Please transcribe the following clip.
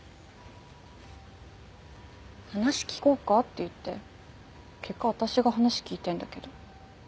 「話聞こうか？」って言って結果私が話聞いてんだけど。